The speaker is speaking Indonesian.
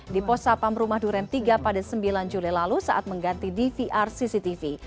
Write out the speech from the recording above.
di pos sapam rumah duren tiga pada sembilan juli lalu saat mengganti dvr cctv